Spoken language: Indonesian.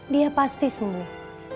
dia pasti sembuh